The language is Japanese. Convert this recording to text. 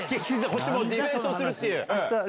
こっちもディフェンスをするっていう。